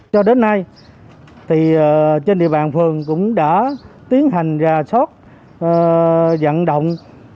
cho đến nay trên địa bàn phường cũng đã tiến hành ra sót dẫn động